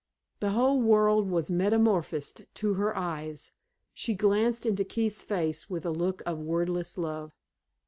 the whole world was metamorphosed to her eyes. She glanced into Keith's face with a look of wordless love.